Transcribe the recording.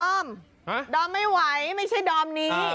อมดอมไม่ไหวไม่ใช่ดอมนี้